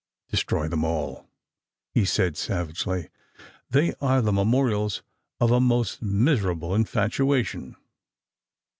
"Destroy them all!" he cried savagely. "They are the memorials of a most miserable infatuation."